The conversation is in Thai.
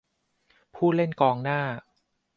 ผู้เล่นกองหน้า